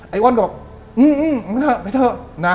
ไอว่อนยังพูดว่าไปเถิด